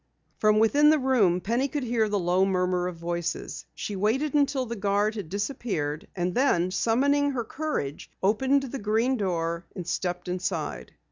From within the room, Penny could hear the low murmur of voices. She waited until the guard had disappeared, and then, summoning her courage, opened the green door and stepped inside.